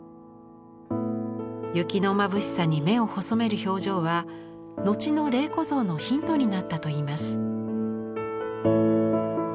雪のまぶしさに目を細める表情は後の麗子像のヒントになったといいます。